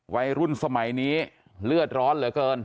วัยรุ่นสมัยนี้เลือดร้อนเหลือเกิน